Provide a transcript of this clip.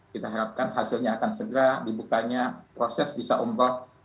kita harapkan hasilnya akan segera dibukanya proses bisa umroh